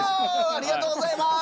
ありがとうございます！